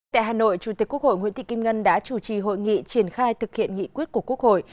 tại hà nội chủ tịch quốc hội nguyễn thị kim ngân đã chủ trì hội nghị triển khai thực hiện nghị quyết của quốc hội